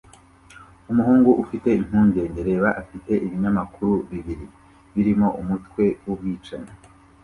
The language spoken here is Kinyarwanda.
Umuhungu ufite impungenge reba afite ibinyamakuru bibiri birimo umutwe wubwicanyi